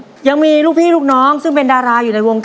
แล้ววันนี้ผมมีสิ่งหนึ่งนะครับเป็นตัวแทนกำลังใจจากผมเล็กน้อยครับ